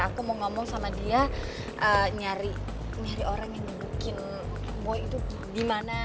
aku mau ngomong sama dia nyari orang yang gebukin boy itu di mana